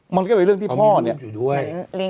มันก็เป็นเรื่องที่พ่อเนี้ย